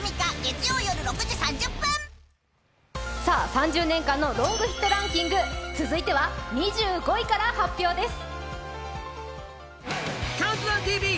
３０年間のロングヒットランキング、続いては２５位から発表です。